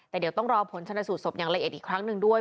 แต่เดี๋ยวต้องรอผลชนสูตรศพอย่างละเอียดอีกครั้งหนึ่งด้วย